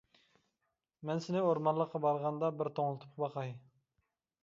مەن سېنى ئورمانلىققا بارغاندا بىر توڭلىتىپ باقاي!